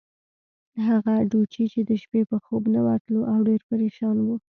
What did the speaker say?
هغه ډوچي چې د شپې به خوب نه ورتلو، او ډېر پرېشان وو.